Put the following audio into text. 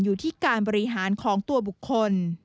อยู่ที่การบริหารของตัวบุคคล